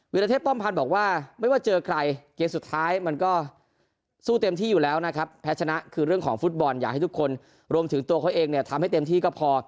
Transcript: รเทพป้อมพันธ์บอกว่าไม่ว่าเจอใครเกมสุดท้ายมันก็สู้เต็มที่อยู่แล้วนะครับแพ้ชนะคือเรื่องของฟุตบอลอยากให้ทุกคนรวมถึงตัวเขาเองเนี่ยทำให้เต็มที่ก็พอ